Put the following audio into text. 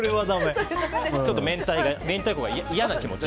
明太子が嫌な気持ちに。